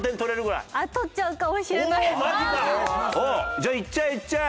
じゃあいっちゃえいっちゃえ。